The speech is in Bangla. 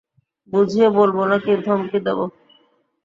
বুঝিয়ে বলবো নাকি ধমকি দেবো?